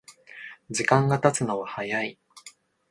時間がたつのは早い